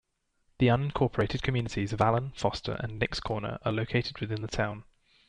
The unincorporated communities of Allen, Foster, and Nix Corner are located within the town.